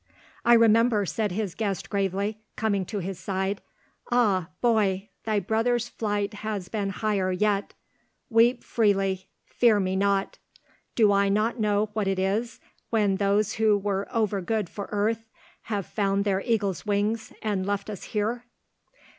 "I remember," said his guest gravely, coming to his side. "Ah, boy! thy brother's flight has been higher yet. Weep freely; fear me not. Do I not know what it is, when those who were over good for earth have found their eagle's wings, and left us here?"